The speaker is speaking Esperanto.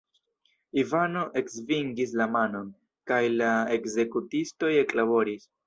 Ivano eksvingis la manon, kaj la ekzekutistoj eklaboris.